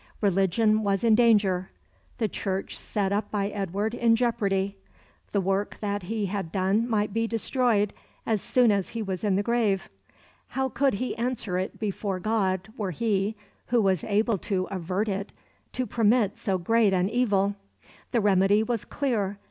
Religion was in danger, the Church set up by Edward in jeopardy; the work that he had done might be destroyed as soon as he was in his grave. How could he answer it before God were he, who was able to avert it, to permit so great an evil? The remedy was clear.